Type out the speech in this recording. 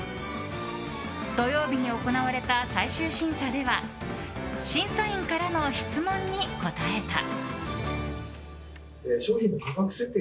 土曜日に行われた最終審査では審査員からの質問に答えた。